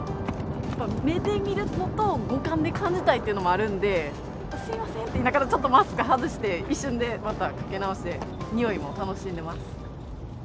目で見るのと、五感で感じたいっていうのもあるので、すみませんって言いながら、ちょっとマスク外して、一瞬で、またかけ直して、匂いも楽しんでます。